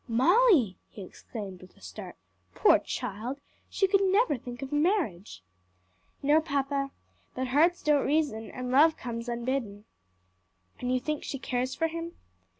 "Molly!" he exclaimed with a start. "Poor child! she could never think of marriage!" "No, papa, but hearts don't reason and love comes unbidden." "And you think she cares for him?"